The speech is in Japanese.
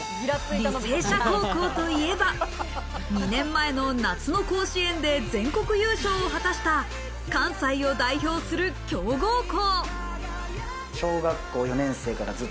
履正社高校といえば２年前の夏の甲子園で全国優勝を果たした関西を代表する強豪校。